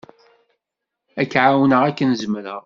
Ad k-εawneɣ akken zemreɣ.